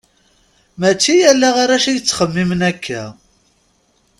Mačči ala arrac i yettxemmimen akka.